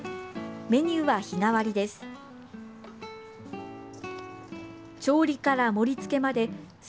メニューは日替わりです。